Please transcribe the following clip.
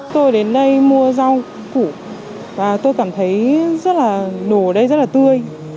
tôi đến đây mua rau củ và tôi cảm thấy đồ ở đây rất là tươi